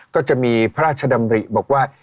ก็จะมีพระราชดำริบอกว่า